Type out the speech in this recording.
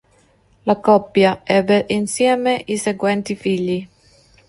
La coppia ebbe insieme i seguenti figli